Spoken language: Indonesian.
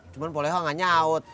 cuma boleh ha gak nyaut